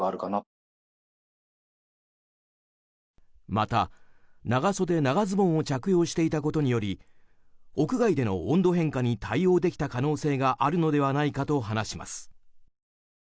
また、長袖長ズボンを着用していたことにより屋外での温度変化に対応できた可能性があるのではないかと話します。